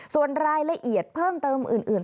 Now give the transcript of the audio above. ส่วนรายละเอียดเพิ่มเติมอื่น